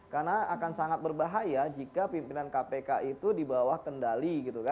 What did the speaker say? karena akan sangat berbahaya jika pimpinan kpk itu di bawah kendali